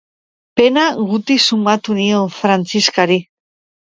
Pena guti sumatu nion Frantziskari.